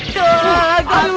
duh hampir jatuh